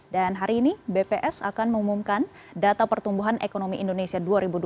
hari ini bps akan mengumumkan data pertumbuhan ekonomi indonesia dua ribu dua puluh